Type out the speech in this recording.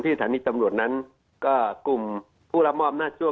ที่อาธารณีตำรวจนั้นก็กลุ่มผู้รับมอบนาจช่วง